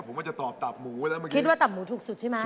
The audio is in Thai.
ผมว่าจะตอบตับหมูไปแล้วเมื่อกี้คิดว่าตับหมูถูกสุดใช่ไหม